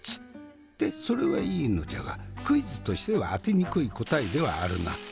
ってそれはいいのじゃがクイズとしては当てにくい答えではあるな。